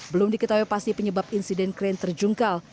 belum diketahui pasti penyebab insiden krain terjungkal